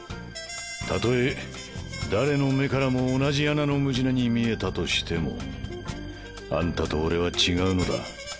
たとえ誰の目からも同じ穴のムジナに見えたとしてもあんたと俺は違うのだ。